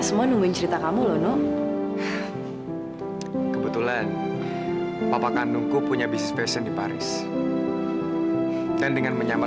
sampai jumpa di video selanjutnya